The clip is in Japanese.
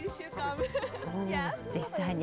実際に。